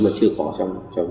mà chưa có trong